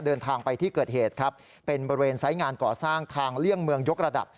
เดินทางไปที่เกิดเหตุครับเป็นบริเวณไซส์งานก่อสร้างทางเลี่ยงเมืองยกระดับ